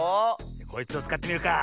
こいつをつかってみるか。